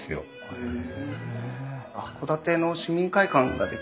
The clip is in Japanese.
へえ。